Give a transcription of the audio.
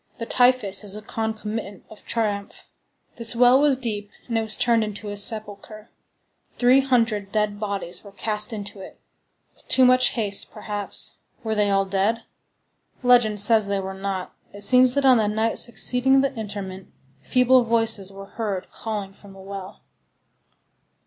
The typhus is a concomitant of triumph. This well was deep, and it was turned into a sepulchre. Three hundred dead bodies were cast into it. With too much haste perhaps. Were they all dead? Legend says they were not. It seems that on the night succeeding the interment, feeble voices were heard calling from the well.